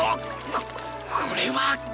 ここれは